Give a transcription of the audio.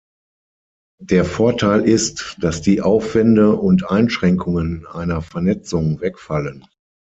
Der Vorteil ist, dass die Aufwände und Einschränkungen einer Vernetzung wegfallen.